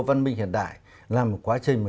văn minh hiện đại là một quá trình mà